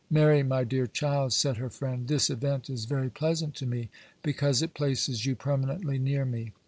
'Mary, my dear child,' said her friend, 'this event is very pleasant to me, because it places you permanently near me.